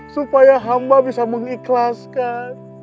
supaya hamba bisa mengikhlaskan